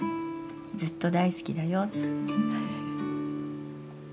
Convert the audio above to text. ずっと大好きだよ」。